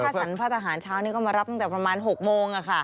สรรพาทหารเช้านี้ก็มารับตั้งแต่ประมาณ๖โมง